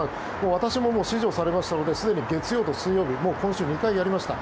私も指示をされましたのですでに月曜日と水曜日すでに２回やりました。